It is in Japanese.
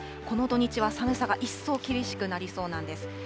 この土日は寒さが一層厳しくなりそうなんです。